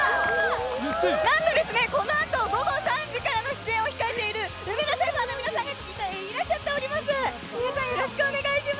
なんと、このあと午後３時からの出演を控えている梅田サイファーさんの皆さんがいらっしゃっております。